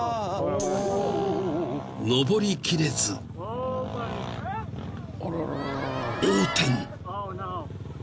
［登り切れず横転］